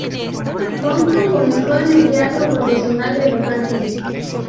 Thompson comenzó en el teatro profesional de Los Ángeles.